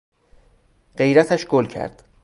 غیرتش گل کرد.